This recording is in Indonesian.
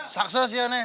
sukses ya neng